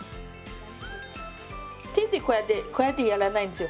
手でこうやってこうやってやらないんですよ。